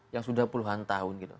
yang sudah puluhan tahun